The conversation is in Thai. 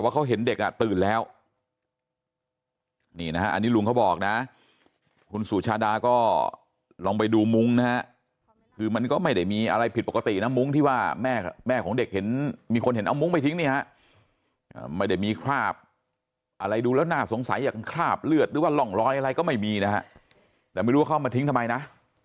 คุณสูชาดาก็ลองไปดูมุ้งนะคือมันก็ไม่ได้มีอะไรผิดปกตินะมุ้งที่ว่าแม่แม่ของเด็กเห็นมีคนเห็นเอามุ้งไปทิ้งเนี่ยไม่ได้มีคราบอะไรดูแล้วน่าสงสัยอย่างคราบเลือดหรือว่าหล่องร้อยอะไรก็ไม่มีนะแต่ไม่รู้เข้ามาทิ้งทำไมนะ